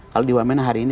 kalau di wamena hari ini